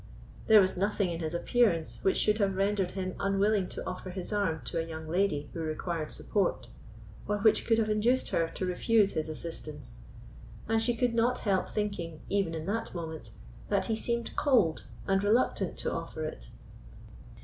There was nothing in his appearance which should have rendered him unwilling to offer his arm to a young lady who required support, or which could have induced her to refuse his assistance; and she could not help thinking, even in that moment, that he seemed cold and reluctant to offer it.